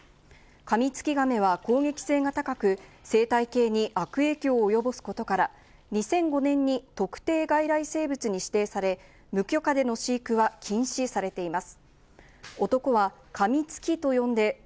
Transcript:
カミツキガメは攻撃性が高く、生態系に悪影響を及ぼすことから、２００５年に特定外来生物に指定され、無許可での飼育は禁止されています。